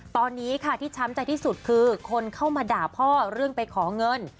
ตอนนี้ค่ะที่ช้ำใจที่สุดคือคนเข้ามาด่าพ่อเรื่องไปขอเงิน